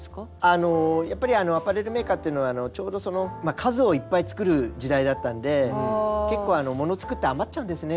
あのやっぱりアパレルメーカーっていうのはちょうど数をいっぱい作る時代だったんで結構物作って余っちゃうんですね